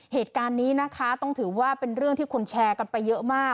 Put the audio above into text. เหตุการณ์นี้นะคะต้องถือว่าเป็นเรื่องที่คนแชร์กันไปเยอะมาก